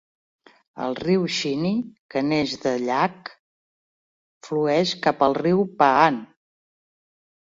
El riu Chini, que neix del llac, flueix cap al riu Pahang.